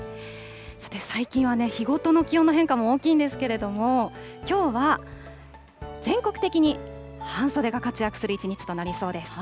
さて最近は、日ごとの気温の変化も大きいんですけれども、きょうは全国的に半袖が活躍する一日となりそうです。